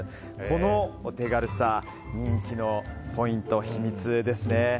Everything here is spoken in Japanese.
このお手軽さ、人気のポイント秘密ですね。